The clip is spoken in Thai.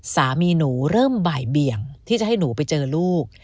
สามีหนูเริ่มบ่ายเบี่ยงที่จะให้หนูไปเจอลูก